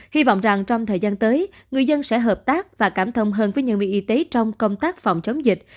hy vọng rằng trong thời gian tới người dân sẽ hợp tác và cảm thông hơn với nhân viên y tế trong công tác phòng chống dịch